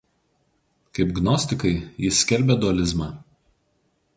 Kaip gnostikai jis skelbė dualizmą.